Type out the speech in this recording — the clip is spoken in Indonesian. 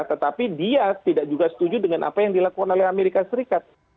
tetapi dia tidak juga setuju dengan apa yang dilakukan oleh amerika serikat